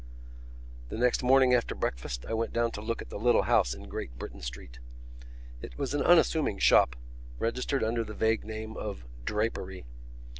The next morning after breakfast I went down to look at the little house in Great Britain Street. It was an unassuming shop, registered under the vague name of Drapery.